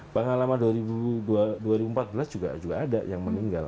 pengalaman dua ribu empat belas juga ada yang meninggal